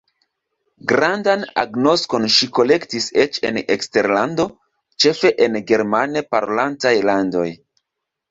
Grandan agnoskon ŝi kolektis eĉ en eksterlando, ĉefe en germane parolantaj landoj.